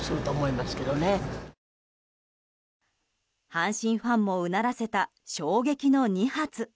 阪神ファンもうならせた衝撃の２発。